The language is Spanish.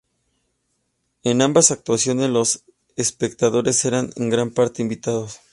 En ambas actuaciones, los espectadores eran en gran parte invitados.